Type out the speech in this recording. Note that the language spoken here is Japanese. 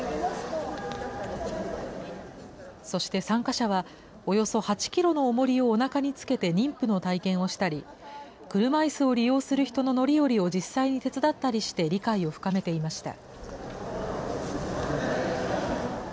そして参加者は、およそ８キロのおもりをおなかにつけて妊婦の体験をしたり、車いすを利用する人の乗り降りを実際に手伝ったりして理解を深めていました。